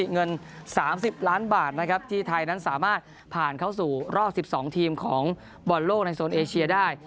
เงิน๓๐ล้านบาทนะครับที่ไทยนั้นสามารถผ่านเข้าสู่รอบ๑๒ทีมของบอลโลกในโซนเอเชียได้